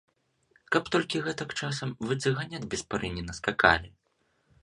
Каб толькі гэтак часам вы цыганят без пары не наскакалі?